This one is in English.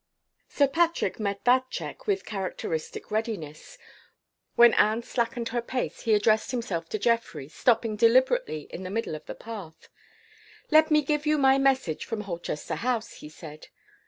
Sir Patrick met that check with characteristic readiness. When Anne slackened her pace, he addressed himself to Geoffrey, stopping deliberately in the middle of the path. "Let me give you my message from Holchester House," he said.